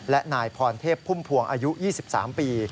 และนายพรเทพพุ่มพวงอายุ๒๓ปี